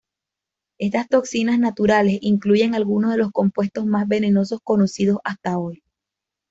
Estas toxinas naturales incluyen algunos de los compuestos más venenosos conocidos hasta hoy.